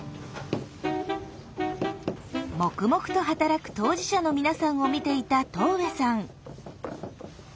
黙々と働く当事者の皆さんを見ていた戸上さん。